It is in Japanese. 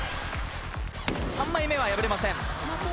３枚目は破れません。